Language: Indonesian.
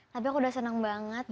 tapi aku sudah senang banget